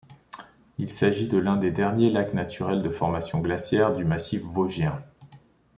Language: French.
Il s'agit de l'un des derniers lacs naturels de formation glaciaire du massif vosgien.